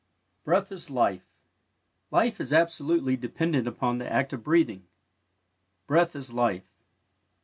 "BREATH IS LIFE." Life is absolutely dependent upon the act of breathing. "Breath is Life."